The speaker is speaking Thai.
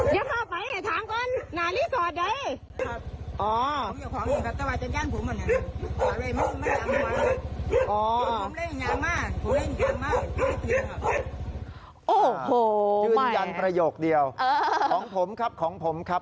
โอ้โหยืนยันประโยคเดียวของผมครับของผมครับ